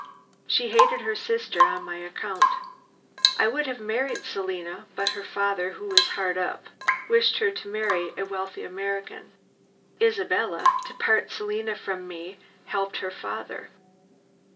She hated her sister on my account. I would have married Selina, but her father, who was hard up, wished her to marry a wealthy American. Isabella, to part Selina from me, helped her father.